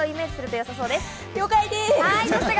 了解です！